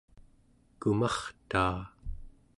kumartaa